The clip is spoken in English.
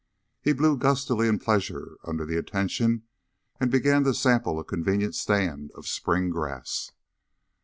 He blew gustily in pleasure under the attention and began to sample a convenient stand of spring green.